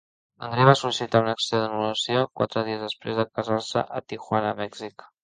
L"Andre va sol·licitar una acció d"anulació quatre dies després de casar-se a Tijuana, Mèxic.